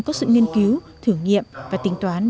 có sự nghiên cứu thử nghiệm và tính toán